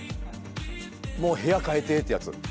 もう部屋変えてってやつ。